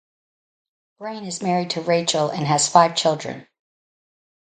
Brain is married to Rachael and has five children.